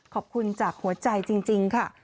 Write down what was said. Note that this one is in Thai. ขอบคุณจากหัวใจจริงค่ะ